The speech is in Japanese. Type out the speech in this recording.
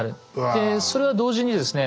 でそれは同時にですね